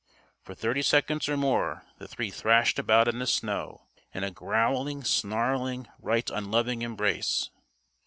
For thirty seconds or more the three thrashed about in the snow in a growling, snarling, right unloving embrace.